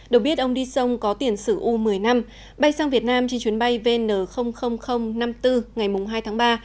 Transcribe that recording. được biết ông đi sông có tiền sử u một mươi năm bay sang việt nam trên chuyến bay vn năm mươi bốn ngày hai tháng ba